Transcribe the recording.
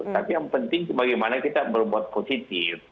tapi yang penting bagaimana kita berbuat positif